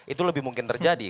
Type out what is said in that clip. itu lebih mungkin terjadi